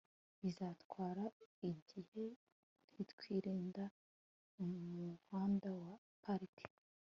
Bizatwara igihe nitwirinda umuhanda wa Park